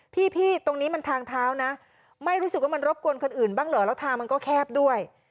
พี่ตรงนี้มันทางเท้านะไม่รู้สึกว่ามันรบกวนคนอื่นบ้างเหรอแล้วทางมันก็แคบด้วย